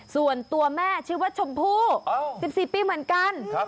ส่วนตัวแม่ชื่อว่าชมพู่๑๔ปีเหมือนกัน